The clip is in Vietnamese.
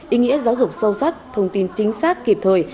ý nghĩa giáo dục sâu sắc thông tin chính xác kịp thời